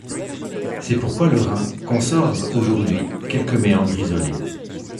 C’est pourquoi le Rhin conserve aujourd’hui quelques méandres isolés.